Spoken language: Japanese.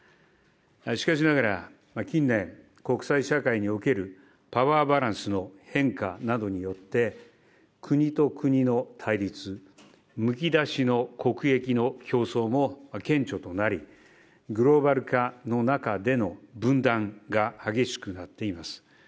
しかしながら、近年、国際社会におけるパワーバランスの変化などによって、国と国の対立、むき出しの国益の競争も顕著となり、グローバル化の中での分断が激しくなっています。